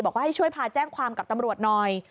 บอกว่าให้ช่วยพาแจ้งความกับตำรวจหน่อย